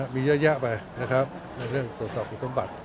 มีเยอะไปในเรื่องตรวจสอบคุณสมบัติ